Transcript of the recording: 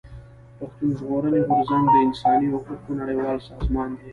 پښتون ژغورني غورځنګ د انساني حقوقو نړيوال سازمان دی.